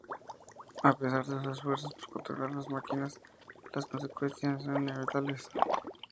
A pesar de sus esfuerzos por controlar a las máquinas, las consecuencias eran inevitables.